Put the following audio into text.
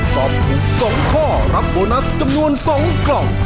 ตอบถูก๒ข้อรับโบนัสจำนวน๒กล่อง